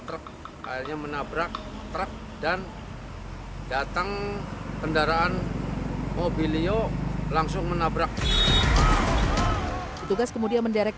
truk akhirnya menabrak truk dan datang kendaraan mobilio langsung menabrak petugas kemudian menderek